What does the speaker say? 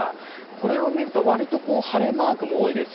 これを見るとわりと晴れマークも多いです。